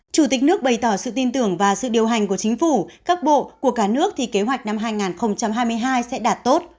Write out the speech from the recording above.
chủ tịch nước bày tỏ sự tin tưởng và sự điều hành của chính phủ các bộ của cả nước thì kế hoạch năm hai nghìn hai mươi hai sẽ đạt tốt